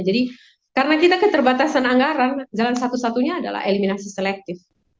jadi karena kita keterbatasan anggaran jalan satu satunya adalah eliminasi selektif